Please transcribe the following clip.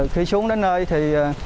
khi xuống đến nơi thì